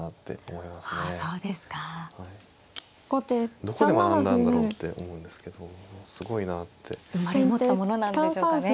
あそうですか。どこで学んだんだろうって思うんですけどすごいなって。生まれ持ったものなんでしょうかね。